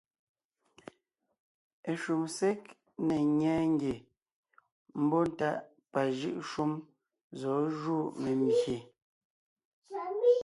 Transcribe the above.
Eshúm ség ne ńnyɛɛ ngie mbɔ́ntáʼ pajʉ́ʼ shúm zɔ̌ jú membyè.